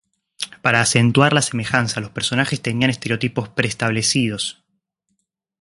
Para acentuar la semejanza los personajes tenían estereotipos pre establecidos.